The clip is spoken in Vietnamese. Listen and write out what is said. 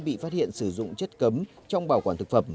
bị phát hiện sử dụng chất cấm trong bảo quản thực phẩm